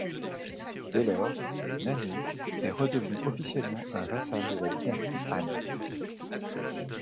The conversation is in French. Dès lors, Nanyue est redevenu officiellement un vassal de la dynastie Han.